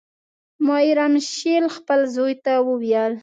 مایر امشیل خپل زوی ته وویل.